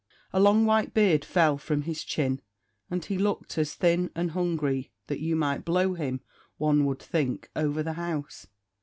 A long white beard fell from his chin, and he looked as thin and hungry that you might blow him, one would think, over the house.